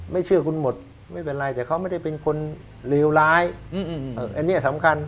เชื่อคุณหมดไม่เป็นไรแต่เขาไม่ได้เป็นคนเลวร้ายอันนี้สำคัญ